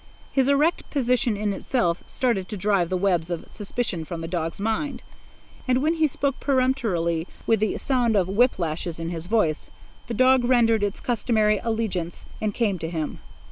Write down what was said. His erect position in itself started to drive the webs of suspicion from the dog's mind; and when he spoke peremptorily, with the sound of whip lashes in his voice, the dog rendered its customary allegiance and came to him.